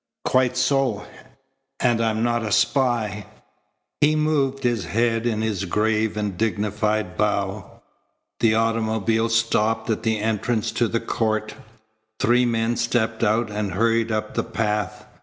"Quite so. And I am not a spy." He moved his head in his grave and dignified bow. The automobile stopped at the entrance to the court. Three men stepped out and hurried up the path.